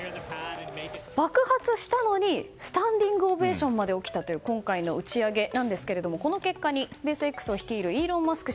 爆発したのにスタンディングオベーションまで起きたという今回の打ち上げなんですがこの結果にスペースＸを率いるイーロン・マスク